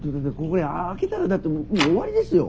これ開けたらだって終わりですよ。